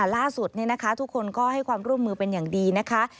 ล่าสุดทุกคนก็ให้ความร่วมมือเป็นอย่างดีนะคะ